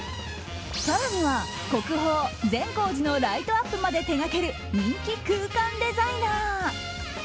更には、国宝・善光寺のライトアップまで手掛ける人気空間デザイナー。